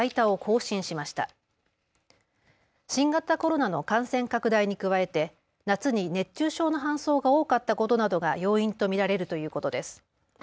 新型コロナの感染拡大に加えて夏に熱中症の搬送が多かったことなどが要因と見られるということです。